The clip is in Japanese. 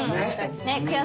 ねっ。